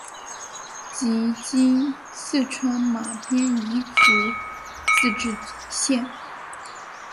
即今四川马边彝族自治县。